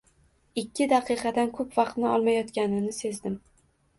Ikki daqiqadan koʻp vaqtni olmayotganini sezdim.